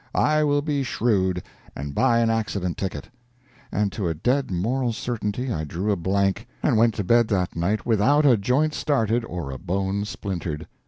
I will be shrewd, and buy an accident ticket." And to a dead moral certainty I drew a blank, and went to bed that night without a joint started or a bone splintered.